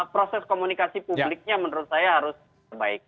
proses komunikasi publiknya menurut saya harus terbaik